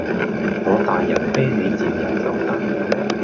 我大人睥你賤人就得